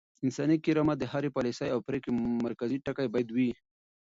انساني کرامت د هرې پاليسۍ او پرېکړې مرکزي ټکی بايد وي.